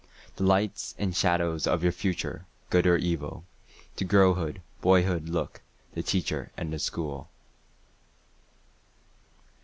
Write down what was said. The lights and shadows of your future—good or evil? To girlhood, boyhood look—the Teacher and the School.